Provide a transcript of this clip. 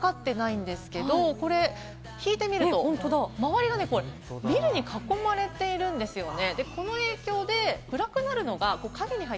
正確な理由はわかってないんですけれども、これ引いてみると、周りがビルに囲まれているんですよね。